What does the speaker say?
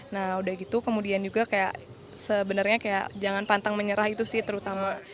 nah udah gitu kemudian juga kayak sebenarnya kayak jangan pantang menyerah itu sih terutama